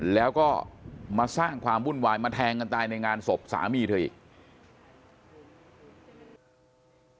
แล้วก็มาสร้างความวุ่นวายมาแทงกันตายในงานศพสามีเธออีก